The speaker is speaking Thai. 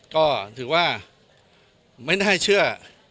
ก็ถือว่าไม่น่าเชื่อ